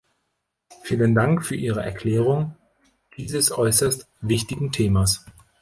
Vielen Dank für Ihre Erklärung dieses äußerst wichtigen Themas.